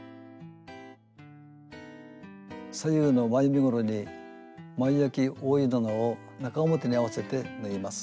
左右の前身ごろに前あき覆い布を中表に合わせて縫います。